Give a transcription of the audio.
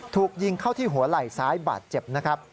ถูกยิงเข้าที่หัวไหล่ซ้ายบาดเจ็บนะครับ